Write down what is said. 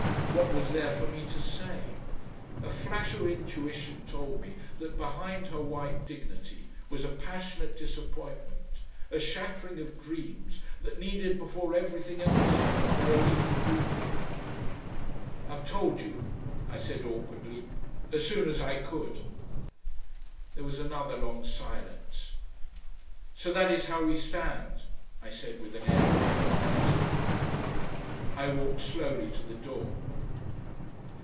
What was there for me to say? A flash of intuition told me that behind her white dignity was a passionate disappointment, a shattering of dreams that needed before everything else the relief of weeping. "I've told you," I said awkwardly, "as soon as I could." There was another long silence. "So that is how we stand," I said with an air of having things defined. I walked slowly to the door.